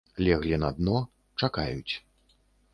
Леглі на дно, чакаюць.